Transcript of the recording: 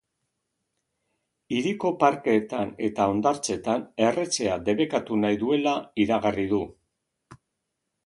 Hiriko parkeetan eta hondartzetan erretzea debekatu nahi duela iragarri du.